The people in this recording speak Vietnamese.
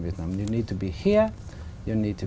việt nam là một quốc gia nhỏ